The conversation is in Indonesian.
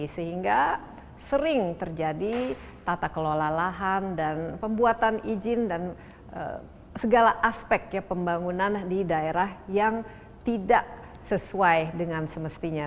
sehingga sering terjadi tata kelola lahan dan pembuatan izin dan segala aspek pembangunan di daerah yang tidak sesuai dengan semestinya